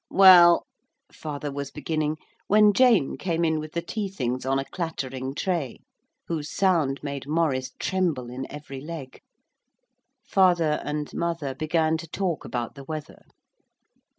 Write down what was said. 'Well ,' father was beginning, when Jane came in with the tea things on a clattering tray, whose sound made Maurice tremble in every leg. Father and mother began to talk about the weather.